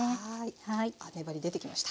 粘り出てきました。